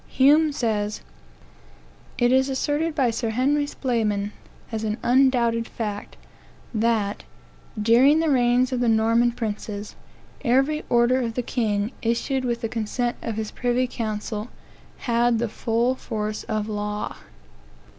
Hume says, "It is asserted by Sir Harry Spelman, as an undoubted fact, that, during the reigns of the Norman princes, every order of the king, issued with the consent of his privy council, had the full force of law."